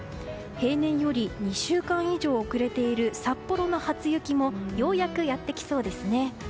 平年より２週間以上遅れている札幌の初雪もようやくやってきそうですね。